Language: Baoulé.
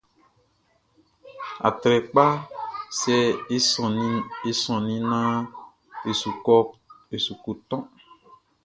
Atrɛkpaʼn, sɛ e sɔnnin naan e su kɔ toʼn.